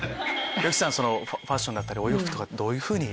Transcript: ＹＯＳＨＩＫＩさんはファッションだったりお洋服とかどういうふうに。